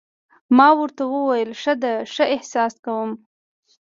ما ورته وویل: ښه ده، ښه احساس کوم.